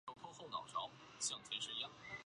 新疆异株荨麻为荨麻科荨麻属下的一个亚种。